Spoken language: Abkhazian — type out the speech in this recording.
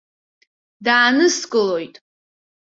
Дааныскылоит.